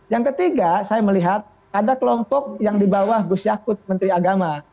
yang ketiga saya melihat ada kelompok yang di bawah gus yakut menteri agama